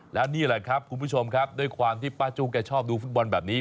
แล้วนี่แหละครับคุณผู้ชมครับด้วยความที่ป้าจู้แกชอบดูฟุตบอลแบบนี้